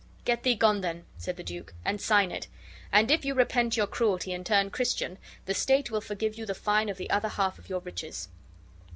"Get thee gone, then," said the duke, "and sign it; and if you repent your cruelty and turn Christian, the state will forgive you the fine of the other half of your riches."